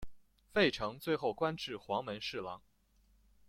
费承最后官至黄门侍郎。